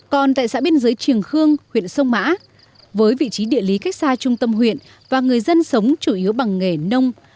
còn tại xã biên giới triềng khương huyện sông mã với vị trí địa lý cách xa trung tâm huyện và người dân sống chủ yếu bằng nghề nông